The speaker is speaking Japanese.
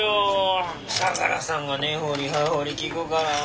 相良さんが根掘り葉掘り聞くからぁ。